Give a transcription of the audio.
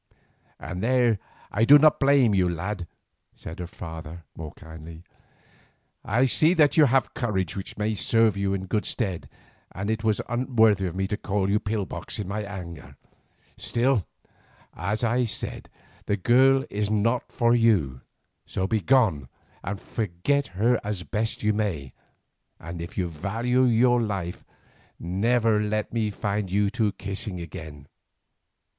"And there I do not blame you, lad," said her father, more kindly. "I see that you also have courage which may serve you in good stead, and it was unworthy of me to call you 'pill box' in my anger. Still, as I have said, the girl is not for you, so be gone and forget her as best you may, and if you value your life, never let me find you two kissing again.